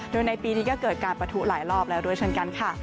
โดยในปีนี้ก็เกิดการประทุหลายรอบแล้วด้วยเช่นกันค่ะ